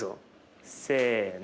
せの。